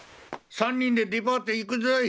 ３人でデパート行くぞい！